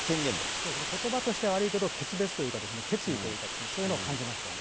そうですね、ことばとしては悪いですが、決別というか、決意というか、そういうのを感じましたよね。